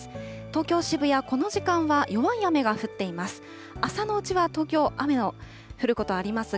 東京・渋谷、この時間は弱い雨が降っています。